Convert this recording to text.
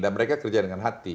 dan mereka kerja dengan hati